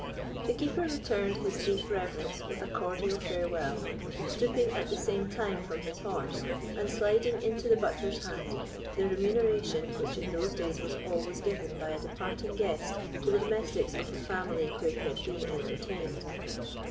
The Keeper returned his deep reverence with a cordial farewell, stooping at the same time from his horse, and sliding into the butler's hand the remuneration which in those days was always given by a departing guest to the domestics of the family where he had been entertained.